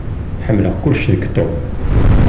Ḥemmleɣ kullec deg Tom.